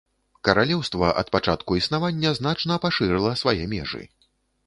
Каралеўства ад пачатку існавання значна пашырыла свае межы.